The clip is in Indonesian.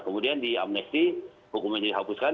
kemudian di amnesti hukumnya dihapuskan